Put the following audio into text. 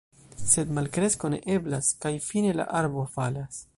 Sed malkresko ne eblas. Kaj fine, la arbo falas.